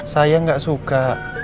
saya enggak suka